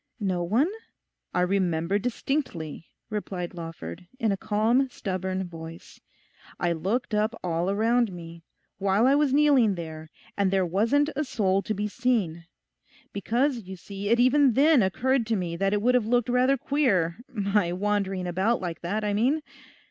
No one?' 'I remember distinctly,' replied Lawford, in a calm, stubborn voice, 'I looked up all around me, while I was kneeling there, and there wasn't a soul to be seen. Because, you see, it even then occurred to me that it would have looked rather queer—my wandering about like that, I mean.